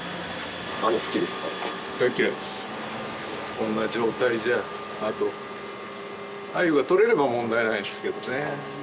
こんな状態じゃあと鮎が取れれば問題ないですけどね